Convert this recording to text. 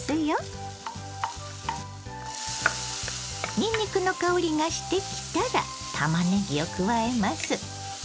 にんにくの香りがしてきたらたまねぎを加えます。